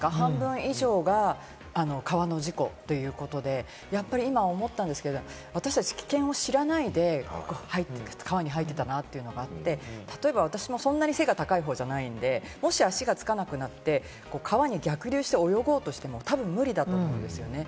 半分以上が川の事故ということで、やっぱり今、思ったんですけど、私達、危険を知らないで川に入っていたなというのがあって、例えば私もそんなに背が高い方じゃないので、もし足がつかなくなって、川に逆流して泳ごうとしても、たぶん無理だと思うんですよね。